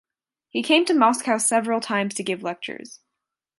He came to Moscow several times to give lectures.